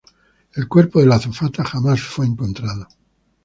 El cuerpo de la azafata jamás fue encontrado.